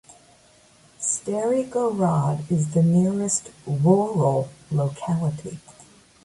Stary Gorod is the nearest rural locality.